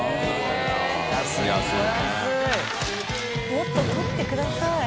もっと取ってください。